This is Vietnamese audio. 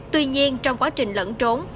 tuy nhiên trong quá trình lẫn trốn